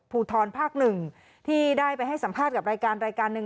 ภูทรภาค๑ที่ได้ไปให้สัมภาษณ์กับรายการนึง